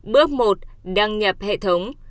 bước một đăng nhập hệ thống